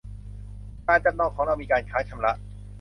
การจำนองของเรามีการค้างชำระ